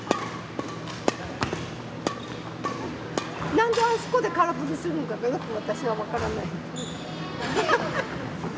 なんであそこで空振りするんかよく私は分からない。